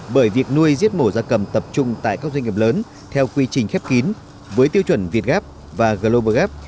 bởi việc nuôi giết mổ ra cầm tập trung tại các doanh nghiệp lớn theo quy trình khép kín với tiêu chuẩn việt gap và global gap